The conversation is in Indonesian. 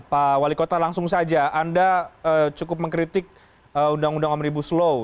pak wali kota langsung saja anda cukup mengkritik undang undang omnibus law